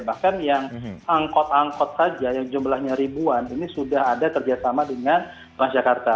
bahkan yang angkot angkot saja yang jumlahnya ribuan ini sudah ada kerjasama dengan transjakarta